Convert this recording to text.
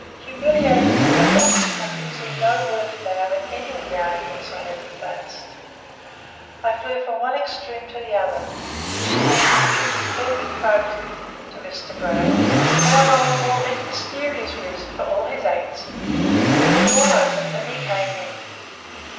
Humiliated to the dust, I could see no worth now in any of the arguments I had advanced. I flew from one extreme to the other, and was imputing perfect probity to Mr. Grey and an honorable if mysterious reason for all his acts, when the door opened and he came in.